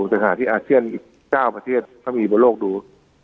สถานที่อาเซียนอีก๙ประเทศก็มีบนโลกดู